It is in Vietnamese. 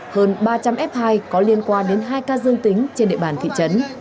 hơn ba trăm linh f hai có liên quan đến hai ca dương tính trên địa bàn thị trấn